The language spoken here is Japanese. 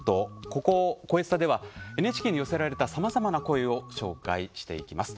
ここ「こえスタ」ではＮＨＫに寄せられたさまざまな声を紹介していきます。